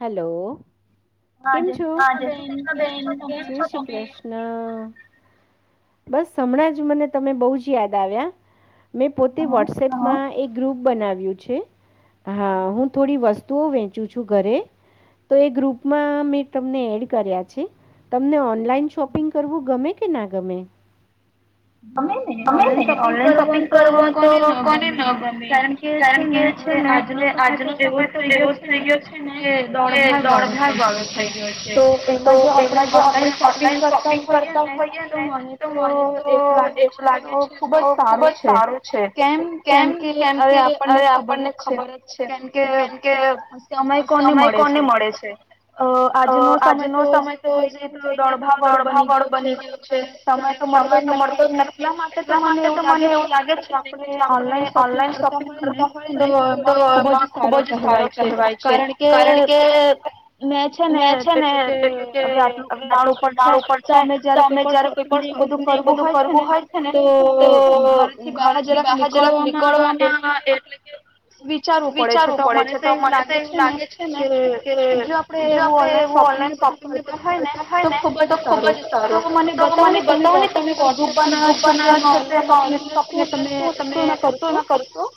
Hello કેમ છું હા જય શ્રી કૃષ્ણ બેન કેમ છો, શ્રી કૃષ્ણ. બસ હમણાં જ મને તમે બહુ જ યાદ આવ્યા. મેં પોતે વોટ્સએપમાં એક ગ્રુપ બનાવ્યું છે. હા હું થોડી વસ્તુ તું વેંચું છું ઘરે તો એ ગ્રુપ માં મેં તમને એડ કર્યા છે. તમને ઓનલાઈન શોપિંગ કરવું ગમે કે ના ગમે ગમે ને ઓનલાઈન શોપિંગ કરવા તો કોને ને ગમે કારણ કે છે ને હવે આજનો સમય તો એવો જ થઈ ગયો છે ને કે કે દોડધણ ગળો થઈ ગયો છે તો એમાં જો આપણે ઓનલાઈન શોપિંગ કરતા હોઈએ ને તો મને તો એવું લાગે છે તો ખુબ જ સારું છે કેમ કેમ કે હવે આપણને ખબર જ છે કેમ કે સમય કોને મળે છે આજનો સમય તો જઈને તો દોડભાવડ બની ગયો છે અને સમય તો મળ એટલા માટે તો મને એવું લાગે છે ને કે આપણે ઓનલાઈન શોપિંગ કરતા હોય ને તો એમાં ખુબ જ સારો કહેવાય છે કારણ કે કે મેં છે ને એટલે કે આટલું ઉનાળુ ઉપર છે તો અમે જયારે કોઈ પણ શોપિંગ એ બધું ું હોય છે ને તો ઘરથી બહાર જરાક નીકળવામાં એટલે વિચારવું પડે છે તો મને તો એવું લાગે છે ને જો આપણે એવું ઓનલાઈન શોપિંગ ને બધું કરતા હોય ને તો ખુબ જ સારું તો મને બતાવો ને તમે વોટ્સએપ પર ગુન શોપિંગ એટલે શું તમે શું એમાં કર છો.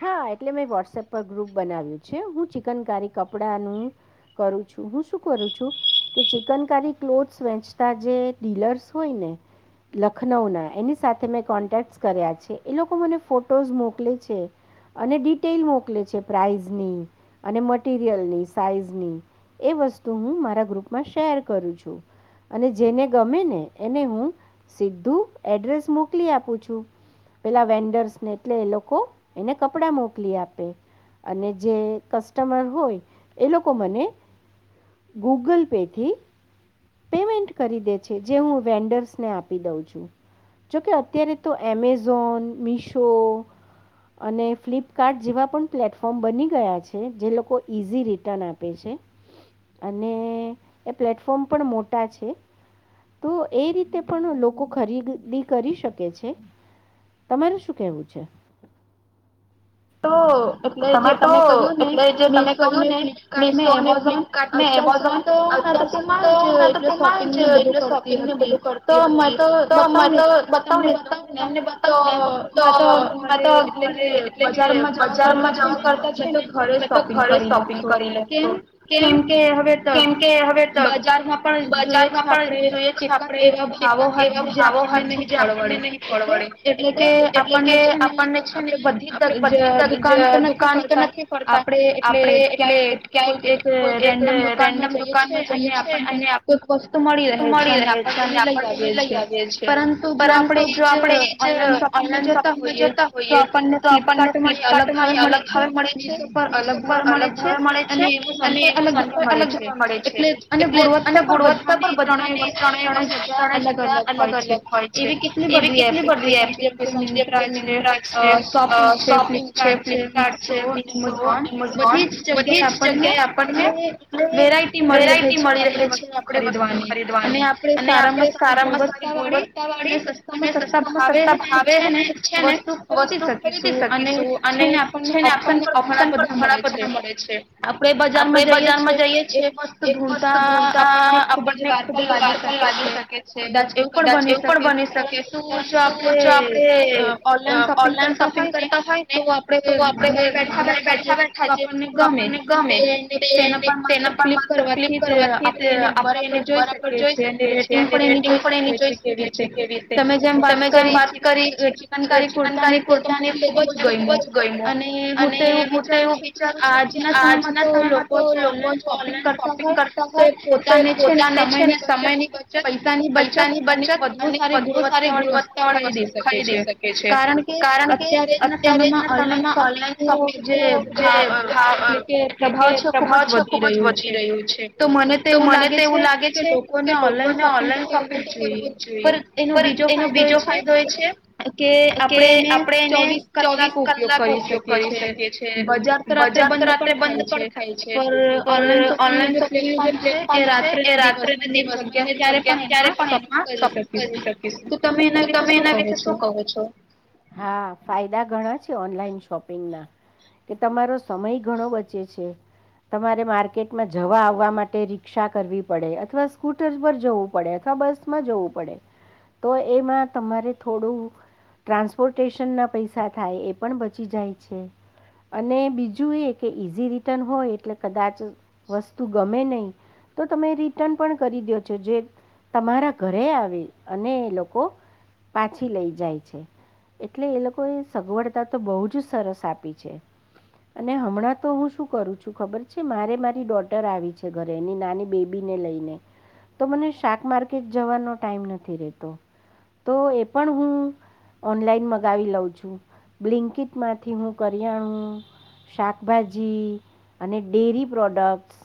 હા, એટલે મેં વોટ્સએપ પર ગ્રપ બનાવ્યું છે. હું ચનકારી કપડાનું કરું છું. હું શું કરું છું કે ચિકનકારી ક્લોથસ વેચતા જે ડીલર્સ હોય ને લખનઉના એની સાથે મેં કોન્ટેક્ટ કર્યા છે એ લોકો મને ફોટોઝ મોકલે છે અને ડિટેલ મોકલે છે પ્રાઇઝની. અને મટીિરિયલની સાઈઝની એ વસ્તુ હું મારા ગ્રુપમાં શેર કરું છું અને જેને ગમે ને એને હું સીધું એડ્રેસ મોકલી આપું છું. પેલાં વેન્ડર્સને એટલે એ લોકો એને કપડાં મોકલી આપે અને જે કસ્ટ કસ્ટમર હોય એ લોકો મને ગૂગલ પેથી પેમેન્ટ કરી દે છે. જે હું વેન્ડર્સને આપી દઉં છું જોકે અત્યારે તો એમેઝોન, મીશો અને ફ્લિપકાર્ટ જેવા પણ પ્લેટફોર્મ બની ગયા છે. જે લોકો ઈઝી રિટર્ન આપે છે. અને એ પ્લેટફોર્મ પણ મોટા છે. તો એ રીતે પણ લોકો ખરીદી કરી શકે છે. તમારે શું કેવું છે? એટલે જે તમે કહ્યું ને મીશો ને, ફ્લિપકાર્ટ ને, એમેઝોન અત્યાર સુધી તો મે તો તેમાં જ એટલે શોપિંગ ને બધું કરતી હતી. તો મેં તો બતાવ ને તું તમને બતાવ ને તો મેં તો ઘરે એટલે કે એટલે કે કરતા છે ને મે તો ઘરે શોપિંગ કરી લઈ છું. કેમ? કેમ કે હવે બજારમાં પણ જોઈએ છે, આપણે કેટલાક એવા ભાવો હા છે જે આપણને નહીં પરવડે એટલે એટલે કે આપણને છે ને આપણે બધી જ. દુકાન તો નથી પડતા આપણે એટલે ક્યાંક કોઈક એક રેન્ડમ દુકાનમાં જઈએ છે અને આપણને કોઈક વસ્તુ મળી રહે છે અને આપણે એને લઈ આવીએ છીએ. પરંતુ જો આપણે એ જ ઓનલાઈન શોપિંગમાં જતા હોઈએ તો આપણને આપણને ફ્લિપકાર્ટમાં એ અલગ ભાવે મળે છે. મીશો પર અલગ ભાવે મળે છે. અને એમોઝન પણ અલગ ભાવે મળે છે. એટલે અને ગુણવત્તા પર બધાને ત્રણેય વસ્તુ ત્રણેય જગ્યા અલગ અલગ હોય છે. એવી કેટલી બધી એપ્લિકેશન, જેમ કે મિંત્રા છે. પિંગ છે. ફ્લિપકાર્ટ છે, મિશો, એમેઝોન બધી જ જગ્યાએ આપણને વેરાયટી મળી રહે છે. આપણે વસ્તુ ખરીદવાની અને આપણે સારામાં સારી ગુણવત્તા વાળી અને સસ્તામાં સસ્તા ભાવે છે ને વસ્તુ મિસ્સુ અન્ય મિસ્સુ અને છે ને, આપણને ઓપ્શન પણ ઘણા બધા મળે છે. આપણે બજારમાં જઈએ છેએ એક વસ્ત ધૂળતા આપણને ખુબ જ વાર પણ લાગી શકે છે. કદાચ એવું પણ બની શકે પરંતુ જો આપણે ઓનલાઈન શોપિંગ હોય ને, તો આપણે ઘરે બેઠા બેઠા જે વસ્તુ આપણને ગમે તે તેના પણ માત્ર ક્લિક કરવાથી આપણે એને બરાબર જોઈ શકીએ છીએ અને રેટિંગ પણ એની જોઈ શકીએ છે કેવી રીતે. તમે જેમ વાત કરી ચિકનકારી કુર્તી એ તો મને ખૂબ જ ગઈમુ અને હું તો એવું વિચારું છું કે આજના સમયમાં તો લોકો જો ઓનલાઈન શોપિંગ કરતા હોય. તો એ પોતાને છે ને સમયની બચત, પૈસા ની બચત અને વધુ સારી ગુણવત્તા વાળી વસ્તુ ખરીદી શકે છે કારણ કે અત્યારે અત્યારે ના સમયમાં ઓનલાઈન શોપિંગ નું જે ભાવ એટલે કે પ્રભાવ છે, ખુબ જ વધી રહ્યું છે. તો મને તો એવું લાગે છે કે લોકોને ઓનલાઈન શોપિંગ તો કરવું જ જોઈએ, પણ એનો બીજો ફાયદો એ છે કે આપણે એને ચોવીસ કલાક ઉપયોગ કરી શકી છે, બજાર તો રાત્રે બંધ પણ થાય છે, પણ ઓનલાઈન શોપિંગ નું જે પ્લેટફોર્મ છે, એ રાત્રેને દિવસ બંને જગ્યા ક્યારે પણ એમાં શોપિંગ કરી શકીશું, તો તમે એના વિશે શું કહો છો? હા ફાયદા ઘણા છે ઓનલાઈન શોપિંગના કે તમારો સમય ઘણો બચે છે, તમારે માર્કેટમાં જવા આવવા માટે રિકષા કરવી પડે અથવા સ્કૂટર પર જવું પડે અથવા બસમાં જવું પડે, તો એમાં તમારે થોડું ટ્રાન્સપોર્ટેશનના પૈસા થાય એ પણ બચી જાય છે, અને બીજું એ કે ઇઝી રિટર્ન હોય એટલે કદાચ વસ્તુ ગમે નહીં તો તમે રિટર્ન પણ કરી દો છો, જે તમારા ઘરે આવે અને એ લોકો પાછી લઈ જાય છે, એટલે એ લોકો એ સગવડતા તો બહુ જ સરસ આપી છે, અને હમણાં તો હું શું કરું છું, ખબર છે, મારે મારી ડોટર આવી છે ઘરે એની નાની બેબીને લઈને તો મને શાક માર્કેટ જવાનો ટાઈમ નથી રહેતો, તો એ પણ હું ઓનલાઈન મંગાવી લઉં છું બ્લિન્કીટમાંથી હું કરિયાણું, શાકભાજી અને ડેરી પ્રોડક્ટસ,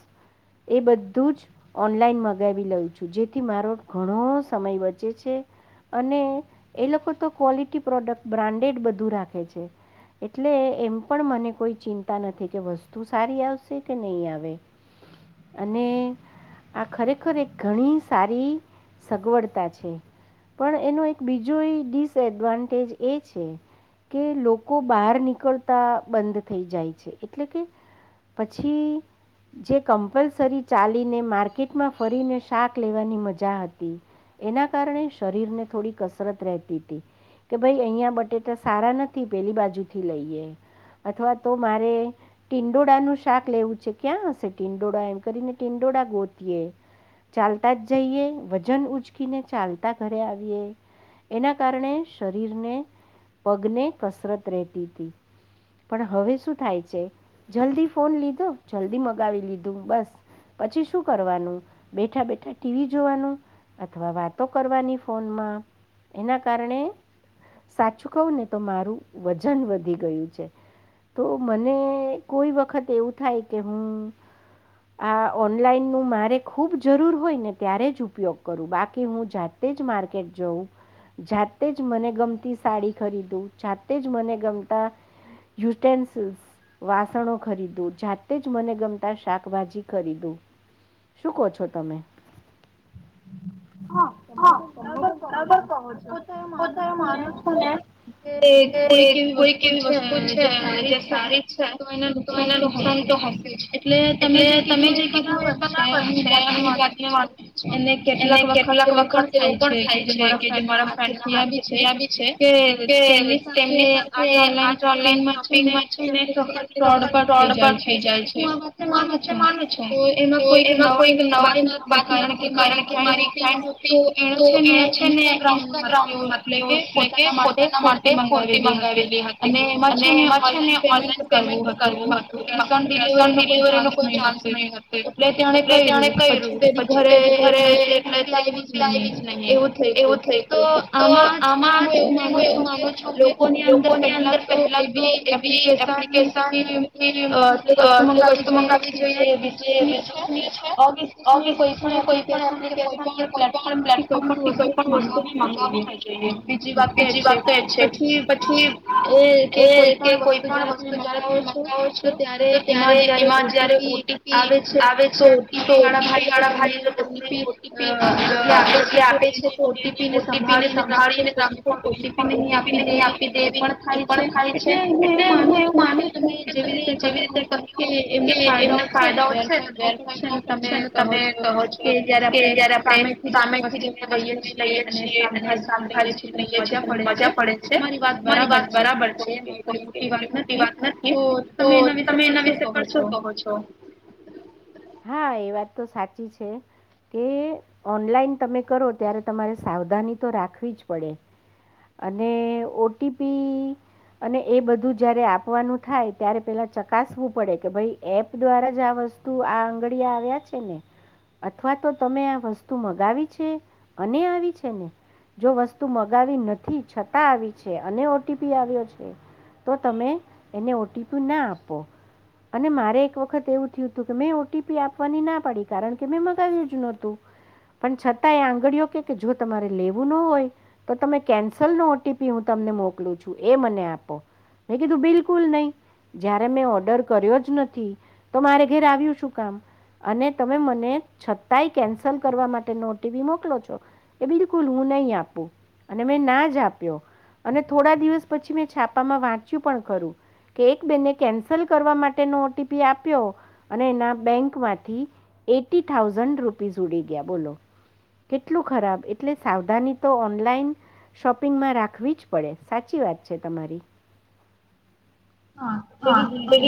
એ બધું જ ઓનલાઈન મગાવી લઉં છું, જેથી મારો ઘણો સમય બચે છે, અને એ લોકો તો ક્વોલિટી પ્રોડક્ટ બ્રાન્ડ ડેટ બધું રાખે છે, એટલે એમ પણ મને કોઈ ચિંતા નથી કે વસ્તુ સારી આવશે કે નહીં આવે, અને આ ખરેખર એક ઘણી સારી સગવડતા છે, પણ એનો એક બીજો એ ડિસએડવાન્ટેજ એ છે કે લોકો બહાર નીકળતા બંધ થઈ જાય છે, એટલે કે પછી જે કમ્પલસરી ચાલીને માર્કેટમાં ફરીને શાક લેવાની મજા હતી, એના કારણે શરીરને થોડી કસરત રહેતી હતી કે ભાઈ અહીંયા બટે સારા નથી, પેલી બાજુથી લઈએ અથવા તો મારે ટિંડોળાનું શાક લેવું છે, ક્યાં હશે ટીંડોડા, એમ કરીને ટીંડોડા ગોતીએ ચાલતા જ જઈએ, વજન ઉચકીને ચાલતા ઘરે આવીએ, એના કારણે શરીરને પગને કસરત રહેતી હતી, પણ હવે શું થાય છે, જલ્દી ફોન લીધો જલ્દી મગાવી લીધું, બસ, પછી શું કરવાનું બેઠા બેઠા ટીવી જોવાનું, અથવા વાતો કરવાની ફોનમાં, એના કારણે સાચું કહું ને તો મારું વજન વધી ગયું છે, તો મને કોઈ વખત એવું થાય કે, હું આ ઓનલાઈન નું મારે ખૂબ જરૂર હોય ને, ત્યારે જ ઉપયોગ કરું, બાકી હું જાતે જ માર્કેટ જઉં, જાતે જ મને ગમતી સાડી ખરીદું, જાતે જ મને ગમતા યુટેન્સિલસ વાસણો ખરીદું, જાતે જ મને ગમતા શાકભાજી ખરીદું, શું કહો છો, તમે હા, તમે તો બરાબર કહો છો, હું તો માનું છું ને કોઈક એવી વસ્તુ છે જે સારી છે, તો એને નુકસાન તો હશે જ, એટલે તમે જે કીધું એ બરાબર છે [inaudible] કેટલાક વખત એવું પણ થાય છે, કે જે મારા ફ્રેન્ડના હાથ [unintelligible] થયા છે કે તેમની સાથે આજ ઓનલાઈન શોપિંગમાં છે ને કેટલીક વખત ફોડ પણ થઈ જાય છે, હું આ વાત માનું છું કે એમાં કોઈ નવાઈની વાત નથી કારણ કે તો એણે છે ને [unintelligible] ઇન્સ્ટાગ્રામ, [unintelligible] એટલે કે પોતાના માટે કુર્તી મંગાવેલી હતી અને એમાં છે ને ઓનલાઈન પેમેન્ટ કરવું હતું એમાં કેશ ઓન ડિલિવરીનો કોઈ ચાન્સ નહી હતો એટલે તેણે કર્યું પછી તેની ઘરે એટલે કુર્તી આવી જ નહીં એવું થઈ ગયું તો આમાં છે ને હું એ માનું છું કે લોકોની અંદર પહેલા તો એવી એપ્લિકેશનની અ વસ્તુ મંગાવી જોઈએ કે જે વિશ્વસનીય છે અવિશ્વસનીય કોઈ પણ એપ્લિકેશન માં એપ્લિકેશન કે કોઈ પણ પ્લેટફોર્મથી કોઈ પણ વસ્તુને મંગાવી ના જોઈએ. બીજી વાત તો એ છે પછી એ કે કોઈ પણ વસ્તુ જયારે તમે મંગાવો છો તો ત્યારે એમાં જયારે ઓટીપી આવે છે તો ઓટીપી વાળા ભાઈ જો ત [unintelligible] એટલે આપે છે તો એ ઓટીપી ને સંભાળીને રાખો. [unintelligible] કોઈને પણ ઓટીપી નહી આપી દેવી એ પણ થાય છે એટલે હું એવું માનું છું કે તમે જેવી રીતે [unintelligible] ક્યો કે એમને ફાયદાઓ છે તો ગેરફાયદાઓ પણ છેને તમે કહો કે જયારે આપડણે સામે થી જઈને વસ્તુ લઈએ છીએ અને શાંભાજી લઈએે છીએ. લઈએ છીએ એટલે મજા પડે છે મારી વાત બરાબર છે એમાં કોઈ એટલી મોટી વાત નથી તો તમે એના વિષે પર શુ કહો છો? હા, એ તો સાચી છે કે ઓનલાઈન તમે કરો ત્યારે તમારે સાવધાની તો રાખવી જ પડે અને ઓટીપી અને એ બધું જયારે આપવાનું થાય ત્યારે પેલા ચકાસવું પડે કે ભાઈ એપ દ્વારા જ આ વસ્તુ આ આંગડીયા આવ્યા છે ને અથવા તો તમે આ વસ્તુ મંગાવી છે અને આવી છે ને જો વસ્તુ વસ્તુ મંગાવી નથી છતાં આવી છે અને ઓટીપી આવ્યો છે તો તમે એને ઓટીપી ના આપો. અને મારે એક વખત એવું થયું હતું કે મેં ઓટીપી આપવાની ના પાડી કારણ કે મેં મગાવ્યું જ નોતું પણ છતાં એ આંગળીઓ કે જો તમારે લેવું ન હોય તો તમે કેન્સલનો ઓટીપી હું તમને મોકલું છું એ મને આપો. મેં કીધું બિલકુલ નહી. જયારે મેં ઓર્ડર કર્યો જ નથી તો મારે ઘર આવ્યું શું કામ અને તમે મને છતાંય કેન્સલ કરવા માટેનો ઓટીપી મોકલો છો. એ બિલકુલ હું નહી આપું. અને મેં ના જ આપ્યો અને થોડા દિવસ પછી મેં છાપામાં વાંચ્યું પણ ખરું કે એક બેને કેન્સલ કરવા માટેનો ઓટીપી આપ્યો અને એના બેંકમાંથી એટી થાઉઝન્ડ રૂપીઝ ઉડી ગયા બોલો, કેટલું ખરાબ એટલે સાવધાની તો ઓન ઓનલાઈન શોપિંગમાં રાખવી જ પડે. સાચી વાત છે તમારી. હા એવી જ રીતે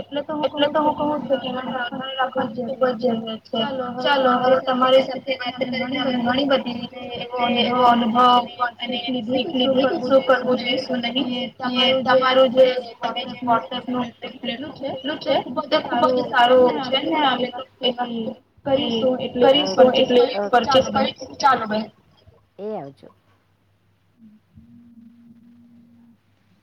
એટલે તો હું કઉ છું કે [unintelligible] રાખવાની ખુબ જ જરૂરત છે ચાલો, હવે તમારી સાથે વાત કરીને અમેં ઘણી બધી એલે એવો અનુભવ [inaudible] અને શીખી લીધું કે શું કરવું જોઈએ શું નહી તે તમારું જે તમે જે વોટસપ નુ પ્લેટફોર્મ ખોલ્યું છે તે ખુબ જ સારું છે ને [unintelligible] કરીશું એટલે પરચેસ કરી ચાલ છે. [unintelligible] હમ. [unintelligible] [inaudible]